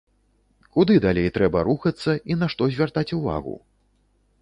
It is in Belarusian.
Куды далей трэба рухацца і на што звяртаць увагу?